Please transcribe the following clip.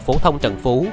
phổ thông trần phú